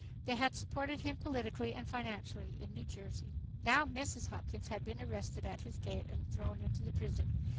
They had supported him politically and financially in New Jersey. Now Mrs. Hopkins had been arrested at his gate and thrown into prison.